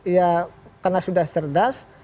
ya karena sudah cerdas